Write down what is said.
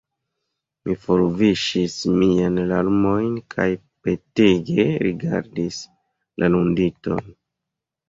Mi forviŝis miajn larmojn kaj petege rigardis la ludinton.